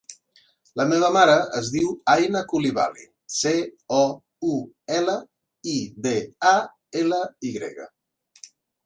La meva mare es diu Aina Coulibaly: ce, o, u, ela, i, be, a, ela, i grega.